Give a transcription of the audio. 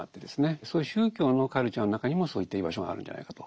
そういう宗教のカルチャーの中にもそういった居場所があるんじゃないかと。